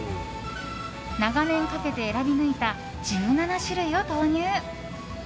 長年かけて選び抜いた１７種類を投入。